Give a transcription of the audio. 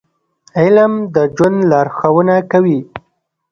• علم د ژوند لارښوونه کوي.